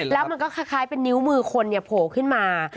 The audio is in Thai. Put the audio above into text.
แล้วมันก็คล้ายเป็นนิ้วมือคนโผล่ขึ้นมา